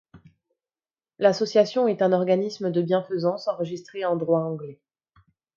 L'association est un organisme de bienfaisance enregistré en droit anglais.